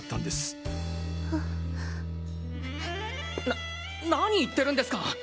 な何言ってるんですか！